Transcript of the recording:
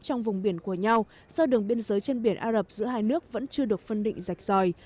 trong vùng biển của nhau do đường biên giới trên biển ả rập giữa hai nước vẫn chưa được phân định rạch ròi